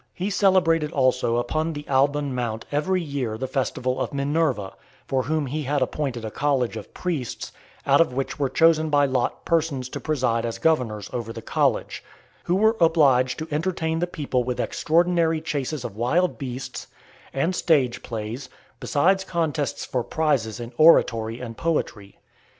He celebrated also upon the Alban mount every year the festival of Minerva, for whom he had appointed a college of priests, out of which were chosen by lot persons to preside as governors over the college; who were obliged to entertain the people with extraordinary chases of wild beasts, and stage plays, besides contests for prizes in oratory and poetry.